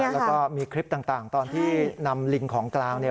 แล้วก็มีคลิปต่างตอนที่นำลิงของกลาง